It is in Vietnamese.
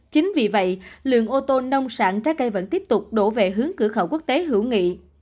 chính vì vậy lượng ô tô nông sản trái cây vẫn tiếp tục đổ về hướng cửa khẩu quốc tế hữu nghị